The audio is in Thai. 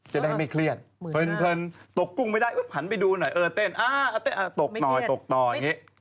จะได้ไม่เครียดเพลินตกกุ้งไม่ได้หันไปดูหน่อยเออเต้นตกหน่อยตกต่ออย่างนี้